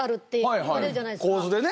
構図でね。